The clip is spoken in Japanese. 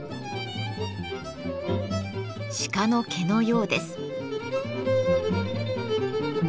鹿の毛のようです。